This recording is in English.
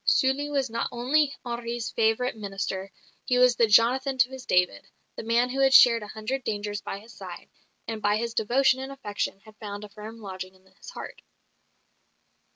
Sully was not only Henri's favourite minister; he was the Jonathan to his David, the man who had shared a hundred dangers by his side, and by his devotion and affection had found a firm lodging in his heart.